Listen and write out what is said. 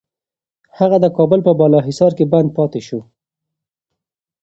هغه د کابل په بالاحصار کي بند پاتې شو.